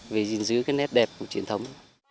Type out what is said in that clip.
về gìn giữ cái nét đẹp của truyền thống